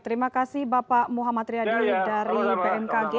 terima kasih bapak muhammad riyadil dari pmkg